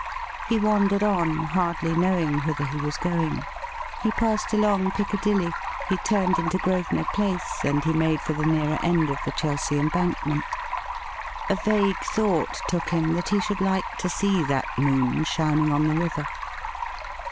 He wandered on, hardly knowing whither he was going. He passed along Picca dilly, he turned into Grosvenor Place, and he made for the nearer end of the Chelsea Embankment. A vague thought took him that he should like to see that moon shining on the river.